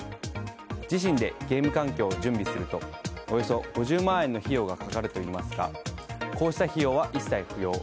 自身でゲーム環境を準備するとおよそ５０万円の費用がかかるといいますがこうした費用は一切不要。